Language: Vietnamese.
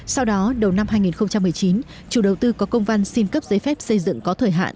sau đó đầu năm hai nghìn một mươi chín chủ đầu tư có công văn xin cấp giấy phép xây dựng có thời hạn